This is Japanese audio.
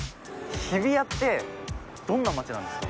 日比谷ってどんな街なんですか？